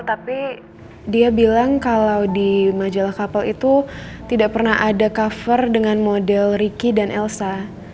tapi dia bilang kalau di majalah kapal itu tidak pernah ada cover dengan model ricky dan elsa